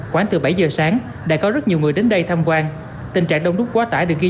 khoảng từ bảy giờ sáng đã có rất nhiều người đến đây tham quan tình trạng đông đúc quá tải được ghi